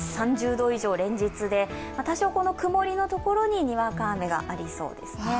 ３０度以上、連日で多少曇りの所ににわか雨がありそうですね。